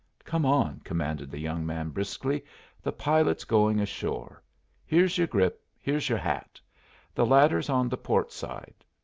"Come on," commanded the young man briskly. "The pilot's going ashore. Here's your grip, here's your hat. The ladder's on the port side.